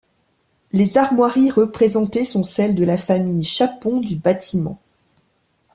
Les armoiries représentées sont celles de la famille Chapon du Bâtiment.